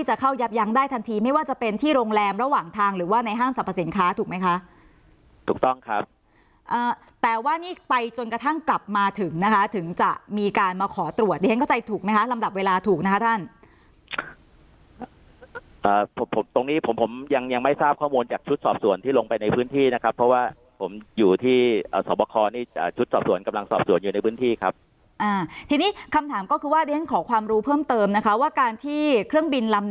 จะเข้ายับยั้งได้ทันทีไม่ว่าจะเป็นที่โรงแรมระหว่างทางหรือว่าในห้างสรรพสินค้าถูกไหมคะถูกต้องครับเอ่อแต่ว่านี่ไปจนกระทั่งกลับมาถึงนะคะถึงจะมีการมาขอตรวจเดี๋ยวให้เข้าใจถูกไหมคะลำดับเวลาถูกนะคะท่านอ่าผมผมตรงนี้ผมผมยังยังไม่ทราบข้อมูลจากชุดสอบส่วนที่ลงไปในพื้นที่นะครับเพราะว่า